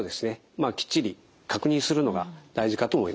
きっちり確認するのが大事かと思います。